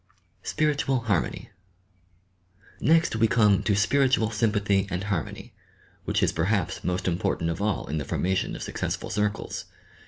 SPIRITDAL HARMONY Next we come to spiritual sjTnpathy and harmony, which is perhaps most important of all in the formation of successful circles.